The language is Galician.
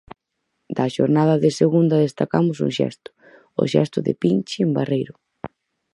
Da xornada de segunda destacamos un xesto, o xesto de Pinchi en Barreiro.